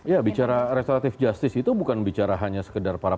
ya bicara restoratif justice itu bukan bicara hanya sekedar para